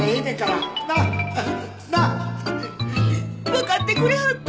分かってくれはった？